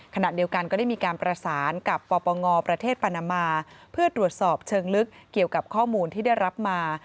ขณะเดียวกันก็ได้มีการประสานกับปปงประเทศปานามาเพื่อตรวจสอบเชิงลึกเกี่ยวกับข้อมูลที่ได้รับมา